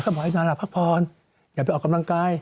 เขาบอกอาจารย์นอนล่ะพักผ่อนอย่าไปออกกำลังกาย